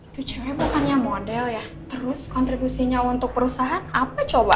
tujuannya bukannya model ya terus kontribusinya untuk perusahaan apa coba